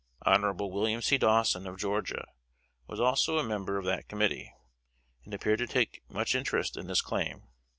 Hon. William C. Dawson, of Georgia, was also a member of that committee, and appeared to take much interest in this claim.